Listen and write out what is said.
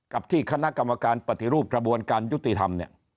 กับที่คณะกรรมการปฏิรูปกระบวนการยุติธรรมเนี่ย